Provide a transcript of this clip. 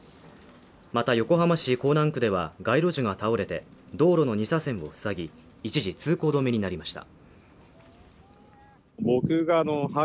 また、横浜市港南区では街路樹が倒れて道路の２車線を塞ぎ、一時、通行止めになりました。